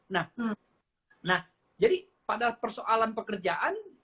nah jadi pada persoalan pekerjaan